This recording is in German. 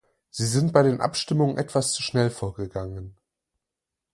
Sie sind bei den Abstimmungen etwas zu schnell vorgegangen.